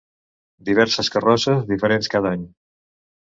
Diverses carrosses, diferents cada any.